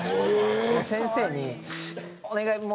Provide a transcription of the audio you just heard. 先生にお願い